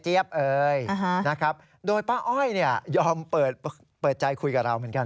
ฮ่าฮ่าฮ่าฮ่าฮ่าฮ่า